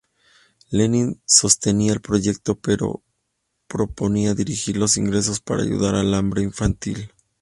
Lenin sostenía el proyecto, pero proponía dirigir los ingresos para ayudar el hambre infantil.